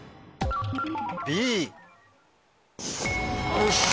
よし！